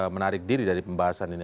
menarik diri dari pembahasan ini